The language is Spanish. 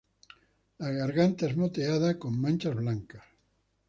La garganta es moteada con manchas blancas.